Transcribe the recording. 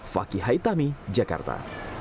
fakih haitami jakarta